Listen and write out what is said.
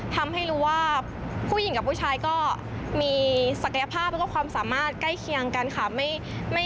ทำให้รู้ว่าผู้หญิงกับผู้ชายความสามารถกัดไปใกล้หลัง